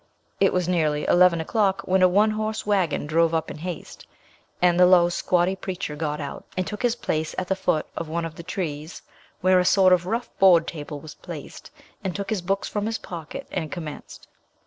It was nearly eleven o'clock when a one horse waggon drove up in haste, and the low squatty preacher got out and took his place at the foot of one of the trees, where a sort of rough board table was placed, and took his books from his pocket and commenced.